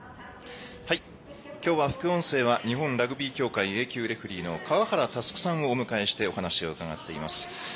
今日は副音声は日本協会Ａ級レフリーの川原佑さんをお迎えしてお話を伺っています。